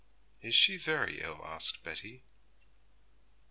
'Is she very ill?' asked Betty.